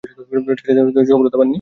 টেস্টে তিনি তেমন সফলতা পাননি।